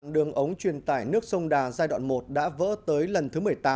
đường ống truyền tải nước sông đà giai đoạn một đã vỡ tới lần thứ một mươi tám